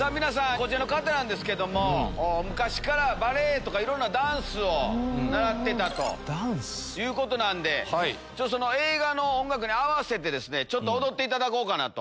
こちらの方なんですけども昔からバレエとかダンスを習ってたということなんで映画の音楽に合わせて踊っていただこうかなと。